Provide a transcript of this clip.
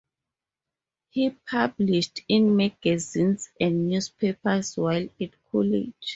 He published in magazines and newspapers while at college.